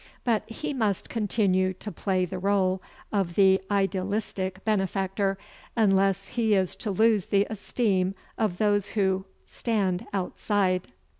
But he must continue to play the role of the "idealistic benefactor" unless he is to lose the esteem of those who stand outside.